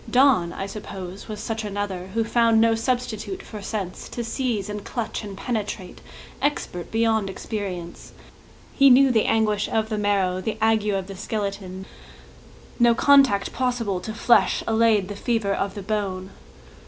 Donne, I suppose, was such another Who found no substitute for sense; To seize and clutch and penetrate, Expert beyond experience, He knew the anguish of the marrow The ague of the skeleton; No contact possible to flesh Allayed the fever of the bone.